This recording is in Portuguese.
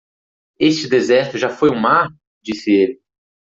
"Este deserto já foi um mar?", disse ele.